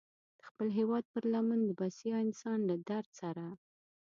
د خپل هېواد پر لمن د بسیا انسان له درد سره.